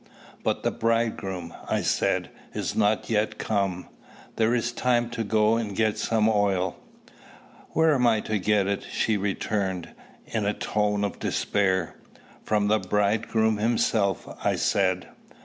"But the Bridegroom," I said, "is not yet come. There is time to go and get some oil." "Where am I to get it?" she returned, in a tone of despair. "From the Bridegroom himself," I said.